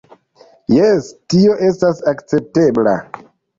Jes, tio estas akceptebla